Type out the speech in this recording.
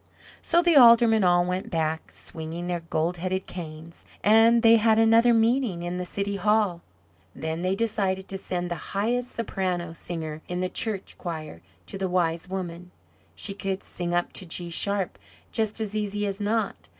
So the Aldermen all went back, swinging their gold headed canes, and they had another meeting in the City Hall. Then they decided to send the highest Soprano Singer in the church choir to the Wise Woman; she could sing up to G sharp just as easy as not.